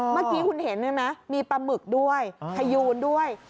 เมื่อกี้คุณเห็นใช่ไหมมีปลาหมึกด้วยพยูนด้วย